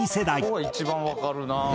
「ここが一番わかるな」